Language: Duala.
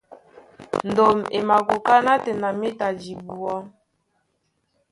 Ndôm e makoká nátɛna méta dibuá.